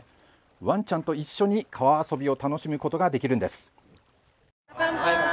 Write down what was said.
ワンちゃんと一緒に、川遊びを楽しむことができるんです。